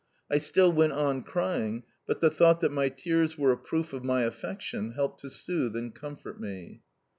I still went on crying, but the thought that my tears were a proof of my affection helped to soothe and comfort me.